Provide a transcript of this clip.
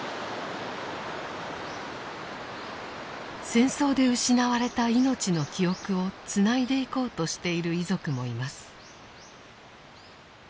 戦争で失われた命の記憶をつないでいこうとしている遺族もいます。